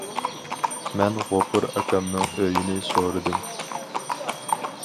مەن غوپۇر ئاكامنىڭ ئۆيىنى سورىدىم.